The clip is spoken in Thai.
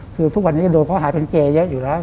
คือทุกวันนี้ก็โดนเขาหายเป็นเกปเลยเยอะอยู่ล่ะ